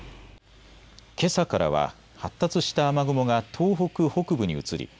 けさからは発達した雨雲が東北北部に移り